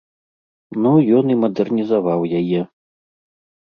Ну, ён і мадэрнізаваў яе.